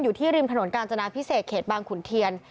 อยู่ที่ริมถนนกาญจนาพิเศษเขตบางขุนเทียน